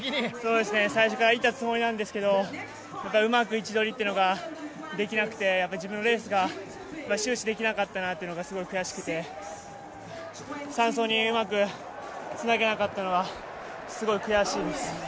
最初からいったつもりなんですけどうまく位置取りができなくて自分のレースが終始できなかったなというのが悔しくて３走にうまくつなげなかったのは、すごい悔しいです。